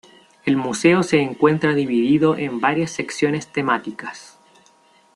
El museo se encuentra dividido en varias secciones temáticas.